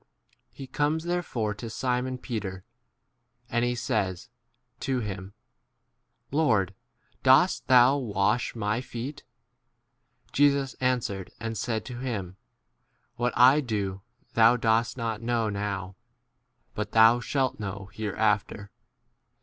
He comes there fore to Simon Peter, and he s says to him, Lord, dost thou* wash my 7 feet ? Jesus answered and said to him, What I ' do thou * dost not know now, but thou shalt know 8 hereafter.